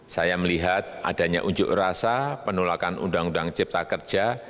saya melihat adanya unjuk rasa penolakan undang undang cipta kerja